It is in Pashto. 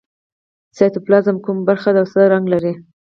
سایتوپلازم کومه برخه ده او څه رنګ لري